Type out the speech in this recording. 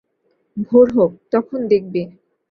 ভোর হোক, তখন দেখবে।